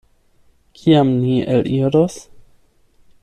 Kiam ni eliros?